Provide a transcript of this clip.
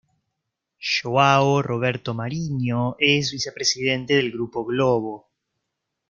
João Roberto Marinho es vice-presidente del Grupo Globo.